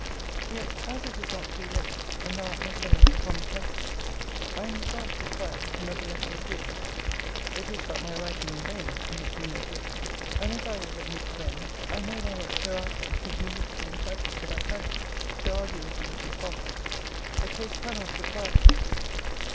Yet, as it is not too late, and thou art nevertheless upon the crisis, I am resolved to try what another letter will do. It is but my writing in vain, if it do no good; and if thou wilt let me prevail, I knowthou wilt hereafter think me richly entitled to thy thanks. To argue with thee would be folly. The case cannot require it.